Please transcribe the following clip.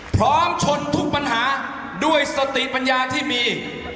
ชนทุกปัญหาด้วยสติปัญญาที่มี